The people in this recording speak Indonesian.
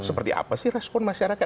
seperti apa sih respon masyarakat